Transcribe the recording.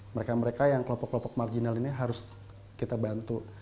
mereka mereka yang kelompok kelompok marginal ini harus kita bantu